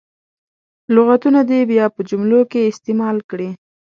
لغتونه دې بیا په جملو کې استعمال کړي.